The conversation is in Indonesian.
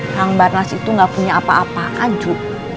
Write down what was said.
kang barnas itu gak punya apa apa aju